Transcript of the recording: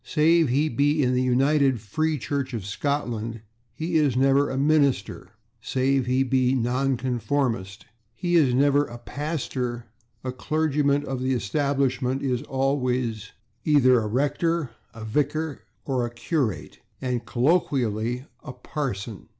Save he be in the United Free Church of Scotland, he is never a /minister/; save he be a nonconformist, he is never a /pastor/; a clergyman of the Establishment is always either a /rector/, a /vicar/ or a /curate/, and colloquially a /parson